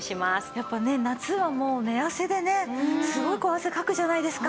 やっぱね夏はもう寝汗でねすごい汗かくじゃないですか。